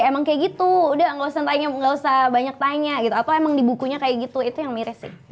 emang kayak gitu udah gak usah banyak tanya gitu atau emang di bukunya kayak gitu itu yang miris sih